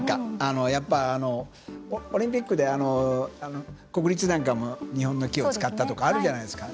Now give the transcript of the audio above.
オリンピックで国立なんかも日本の木を使ったってあるじゃないですか。